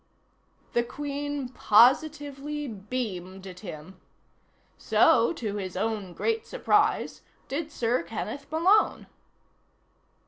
The Queen positively beamed at him. So, to his own great surprise, did Sir Kenneth Malone.